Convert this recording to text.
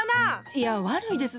いや悪いです